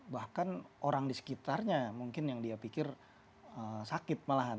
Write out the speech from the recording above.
bahkan orang di sekitarnya mungkin yang dia pikir sakit malahan